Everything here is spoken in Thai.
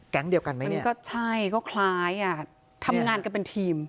แก๊งเดียวกันไหมเนี่ยก็ใช่ก็คล้ายทำงานกันเป็นทีม